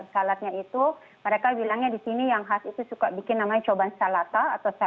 saladnya itu mereka bilangnya di sini yang khas itu suka bikin namanya coban salata atau sate